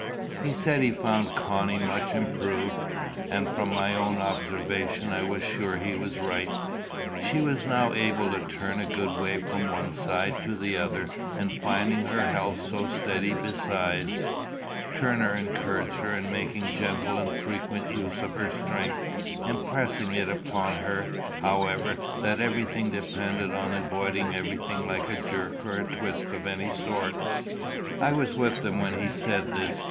He said he found Connie much improved; and, from my own observations, I was sure he was right. She was now able to turn a good way from one side to the other, and finding her health so steady besides, Turner encouraged her in making gentle and frequent use of her strength, impressing it upon her, however, that everything depended on avoiding everything like a jerk or twist of any sort. I was with them when he said this.